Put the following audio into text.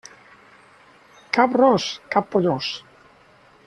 Cap ros, cap pollós.